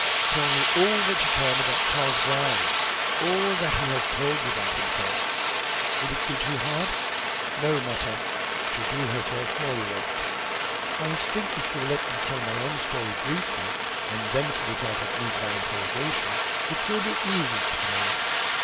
"Tell me all that you can about Charles Brierly, all that he has told you about himself. Will it be too hard?" "No matter." She drew herself more erect. "I think if you will let me tell my own story briefly, and then fill it out at need, by interrogation, it will be easiest for me."